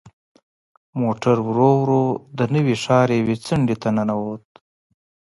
موټر ورو ورو د نوي ښار یوې څنډې ته ننوت.